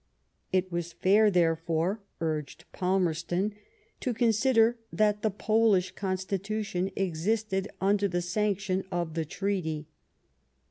It was fair, therefore, urged Palmerston, to consider that the Polish constitution existed under the sanction of the treaty.